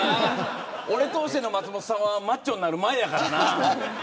俺を通しての松本さんはマッチョになる前やからな。